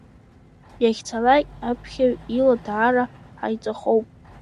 Иахьцалак аԥхьаҩ ила даара ҳаиҵахоуп.